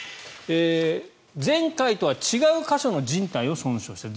前回とは違う箇所のじん帯を損傷している。